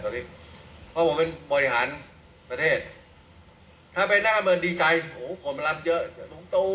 ตอนนี้เพราะผมเป็นบริหารประเทศถ้าเป็นนักการเมืองดีใจโหผมรับเยอะ